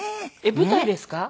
舞台ですか？